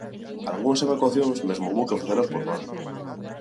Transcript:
Algunhas evacuacións mesmo houbo que facelas por mar.